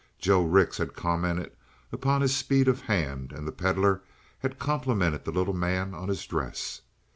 Joe Rix had commented upon his speed of hand, and the Pedlar had complimented the little man on his dress.